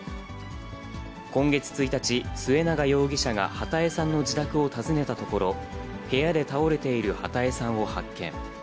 今月１日、末永容疑者が波多江さんの自宅を訪ねたところ、部屋で倒れている波多江さんを発見。